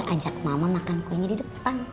ajak mama makan kuenya di depan